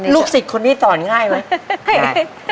ลูกศิษย์คนนี้ต่อง่ายไหม